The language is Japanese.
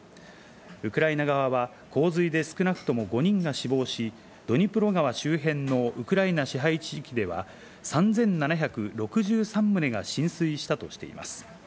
ウクライナ側は洪水で少なくとも５人が死亡し、ドニプロ川周辺のウクライナ支配地域では３７６３棟が浸水したとしています。